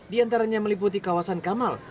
diantaranya meliputi kawasan kamal